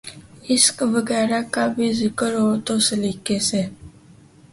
عشق وغیرہ کا بھی ذکر ہو تو سلیقے سے۔